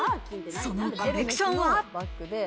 そのコレクションは。